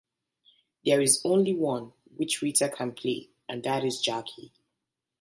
There is only one which Rita can play, and that is Jacky.